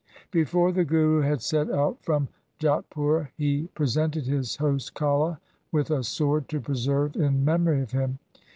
Before the Guru had set out from Jatpura he pre sented his host Kalha with a sword to preserve in memory of him.